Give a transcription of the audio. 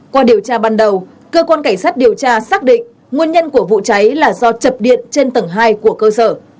qua điều tra ban đầu cơ quan cảnh sát điều tra xác định nguồn nhân của vụ cháy là do chập điện trên tầng hai của cơ sở